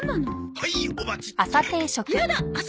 はいお待ちっと！